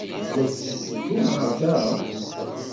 La d-tetteddum ɣer da?